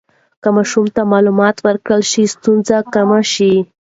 که ماشوم ته معلومات ورکړل شي، ستونزه کمه شي.